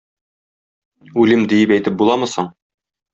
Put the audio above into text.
Үлем диеп әйтеп буламы соң